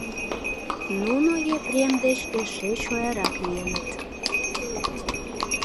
Нуно Епрем деч эше чоярак лийыныт.